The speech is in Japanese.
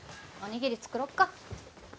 おにぎり作ろうか。